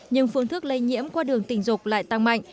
nhưng phương thức lây nhiễm qua đường tình dục lại tăng mạnh